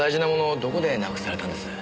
どこでなくされたんです？